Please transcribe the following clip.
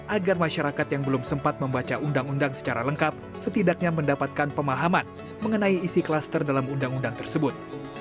agar masyarakat yang belum sempat membaca undang undang secara lengkap setidaknya mendapatkan pemahaman mengenai isi klaster dalam undang undang tersebut